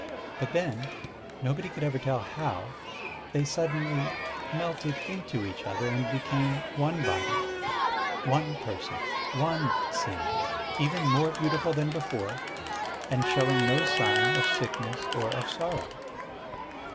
But then nobody could ever tell how they suddenly melted into each other, and became one body, one person, one Ts'ing, even more beautiful than before, and showing no sign of sickness or of sorrow.